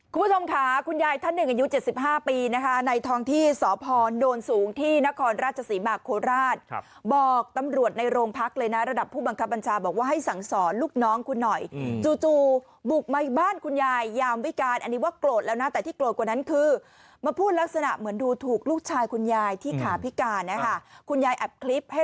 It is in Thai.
คุณผู้ชมค่ะคุณยายท่านหนึ่งอายุ๗๕ปีนะคะในท้องที่สพโดนสูงที่นครราชศรีมาโคราชบอกตำรวจในโรงพักเลยนะระดับผู้บังคับบัญชาบอกว่าให้สั่งสอนลูกน้องคุณหน่อยจู่จู่บุกมาอีกบ้านคุณยายยามวิการอันนี้ว่าโกรธแล้วนะแต่ที่โกรธกว่านั้นคือมาพูดลักษณะเหมือนดูถูกลูกชายคุณยายที่ขาพิการนะคะคุณยายแอบคลิปให้